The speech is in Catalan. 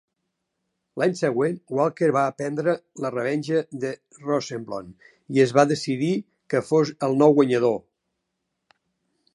L'any següent, Walker va prendre la revenja de Rosenbloom i es va decidir que fos el nou guanyador.